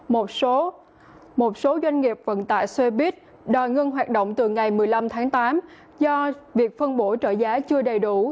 một số doanh nghiệp vận tải xe buýt đòi ngưng hoạt động từ ngày một mươi năm tháng tám do việc phân bổ trợ giá chưa đầy đủ